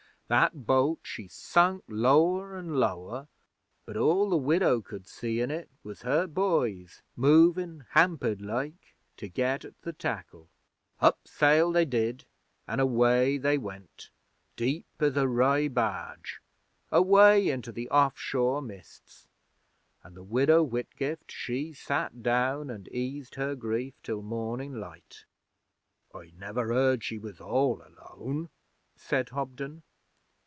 That boat she sunk lower an' lower, but all the Widow could see in it was her boys movin' hampered like to get at the tackle. Up sail they did, an' away they went, deep as a Rye barge, away into the off shore mists, an' the Widow Whitgift she sat down an' eased her grief till mornin' light.' 'I never heard she was all alone,' said Hobden.